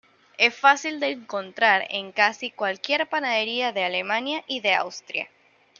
Es fácil de encontrar en casi cualquier panadería de Alemania y de Austria.